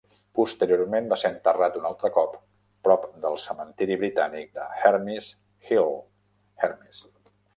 Posteriorment va ser enterrat un altre cop, prop del Cementiri Britànic de Hermies Hill, Hermies.